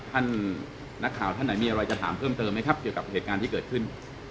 ท่านนักข่าวท่านไหนมีอะไรจะถามเพิ่มเติมไหมครับเกี่ยวกับเหตุการณ์ที่เกิดขึ้น